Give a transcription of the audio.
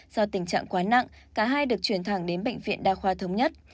do tình trạng quá nặng cả hai được chuyển thẳng đến bệnh viện đa khoa thống nhất